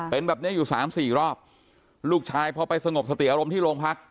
เป็นแบบเนี้ยอยู่สามสี่รอบลูกชายพอไปสงบสติอารมณ์ที่โรงพัก